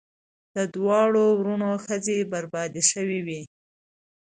د دواړو وروڼو ښځې بربادي شوې وې.